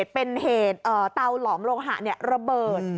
เป็นเหตุเตาหลอมโลหะระเบิด